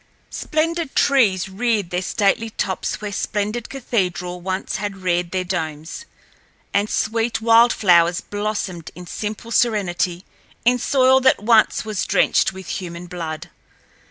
Splendid trees reared their stately tops where splendid cathedrals once had reared their domes, and sweet wild flowers blossomed in simple serenity in soil that once was drenched with human blood.